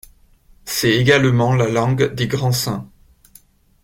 C’est également la langue des grands saints.